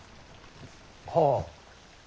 はあ。